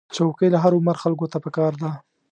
چوکۍ له هر عمر خلکو ته پکار ده.